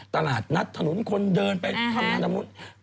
ตลาดนัดถนนคนเดินไปทำธนามุธ